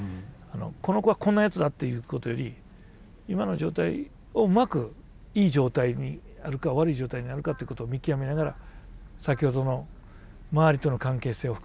この子はこんなやつだということより今の状態をうまくいい状態にあるか悪い状態にあるかってことを見極めながら先ほどの周りとの関係性を含めてやっていく。